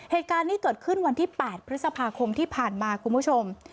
เหตุการณ์นี้เกิดขึ้นวันที่๘พฤษภาคมที่ผ่านมาคุณผู้ชม